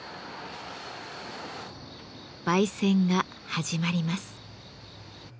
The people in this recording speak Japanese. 焙煎が始まります。